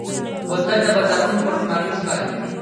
بوتل د بازارونو پر الماریو ښکاري.